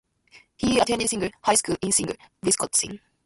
He attended Slinger High School in Slinger, Wisconsin.